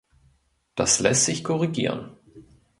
Das lässt sich korrigieren.